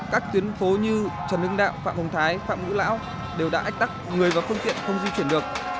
các tuyến phố như trần hưng đạo phạm hồng thái phạm ngũ lão đều đã ách tắc người và phương tiện không di chuyển được